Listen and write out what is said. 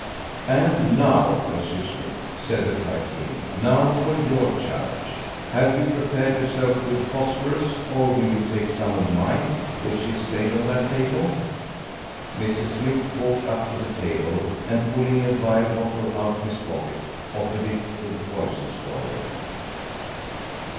"And now, Monsieur Smith," said the fire king, "now for your challenge. Have you prepared yourself with phosphorus, or will you take some of mine, which is laid on that table?" Mr. Smith, walked up to the table, and pulling a vial bottle out of his pocket, offered it to the poison swallower.